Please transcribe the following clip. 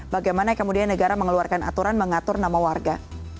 bagaimana kemudian negara mengeluarkan aturan mengatur nama warga